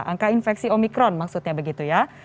angka infeksi omikron maksudnya begitu ya